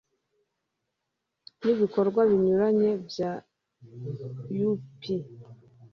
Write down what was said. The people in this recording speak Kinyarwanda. n ibikorwa binyuranye bya U P